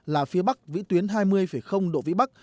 là phía bắc vĩ tuyến hai mươi độ vĩ bắc